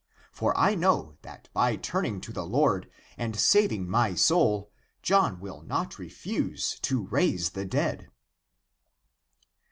For I know that by turn ing to the Lord and saving my soul John will not refuse to raise the dead."